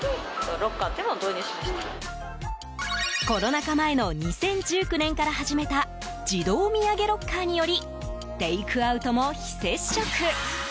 コロナ禍前の２０１９年から始めた自動土産ロッカーによりテイクアウトも非接触。